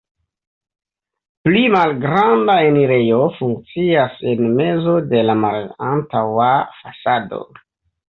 Pli malgranda enirejo funkcias en mezo de la malantaŭa fasado.